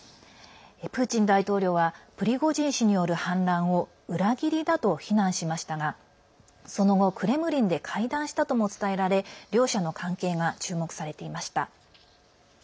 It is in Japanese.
プーチン大統領はプリゴジン氏による反乱を裏切りだと非難しましたがその後、クレムリンで会談したとも伝えられ両者の関係が注目さていました。